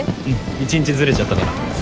１日ずれちゃったから。